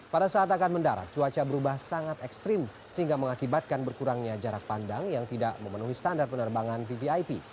pada saat akan mendarat cuaca berubah sangat ekstrim sehingga mengakibatkan berkurangnya jarak pandang yang tidak memenuhi standar penerbangan vvip